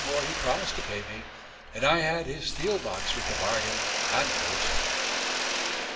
more he promised to pay me ... and I had his steel box with the bargain, and full of smoake."